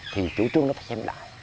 thì chủ trương nó phải xem lại